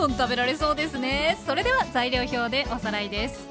それでは材料表でおさらいです。